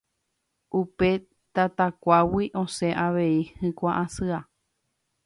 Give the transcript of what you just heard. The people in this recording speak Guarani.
Upe tatakuágui osẽ avei hyakuã asýva